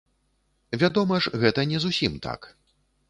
Вядома ж, гэта не зусім так.